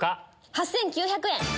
８９００円。